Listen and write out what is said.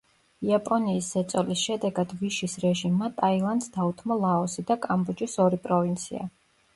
იაპონიის ზეწოლის შედეგად ვიშის რეჟიმმა ტაილანდს დაუთმო ლაოსი და კამბოჯის ორი პროვინცია.